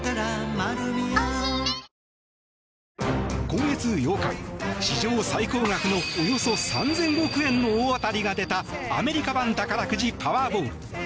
今月８日、史上最高額のおよそ３０００億円の大当たりが出たアメリカ版宝くじパワーボール。